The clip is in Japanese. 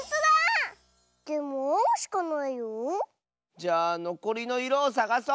じゃあのこりのいろをさがそう！